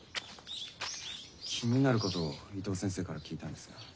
気になることを伊東先生から聞いたんですが。